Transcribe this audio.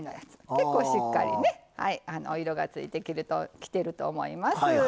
結構、しっかり色がついてきてると思います。